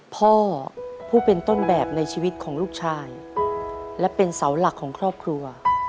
พ่อผู้เป็นต้นแบบในชีวิตของลูกชายและเป็นเสาหลักของครอบครัว